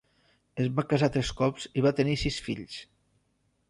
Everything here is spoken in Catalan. Es va casar tres cops i va tenir sis fills.